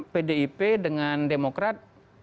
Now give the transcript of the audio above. pdip dengan demokrat